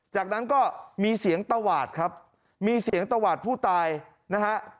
จากนั้นก็มีเสียงตวาดครับมีเสียงตวาดผู้ตายนะฮะ